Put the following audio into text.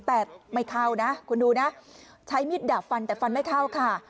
แต่ไม่เข้านะคุณดูนะใช้มิดดาบฟันแต่ฟันไม่เข้าค่ะ